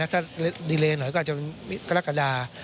ถ้าดีเล่นหน่อยก็จะมีกรกฎา